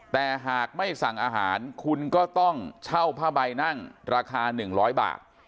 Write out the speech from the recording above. แต่หากไม่สั่งอาหารคุณก็ต้องเช่าผ้าใบนั่งราคา๑๐๐บาท